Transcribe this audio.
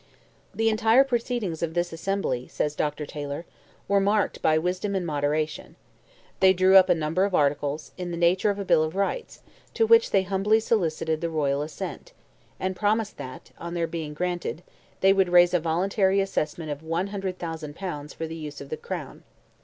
"The entire proceedings of this Assembly," says Dr. Taylor, "were marked by wisdom and moderation. They drew up a number of articles, in the nature of a Bill of Rights, to which they humbly solicited the royal assent, and promised that, on their being granted, they would raise a voluntary assessment of 100,000 pounds for the use of the Crown.